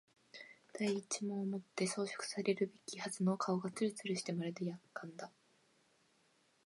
第一毛をもって装飾されるべきはずの顔がつるつるしてまるで薬缶だ